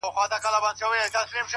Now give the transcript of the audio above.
o ستا له تصويره سره؛